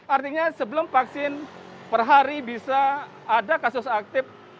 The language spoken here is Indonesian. artinya sebelum vaksin per hari bisa ada kasus aktif